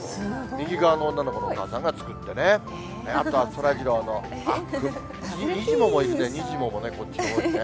右側の女の子のお母さんが作ってね、あとはそらジローの、あっ、にじモもいるね、こっちのほうにね。